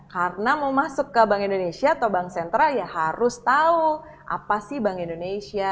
karena mau masuk ke bank indonesia atau bank sentral ya harus tahu apa sih bank indonesia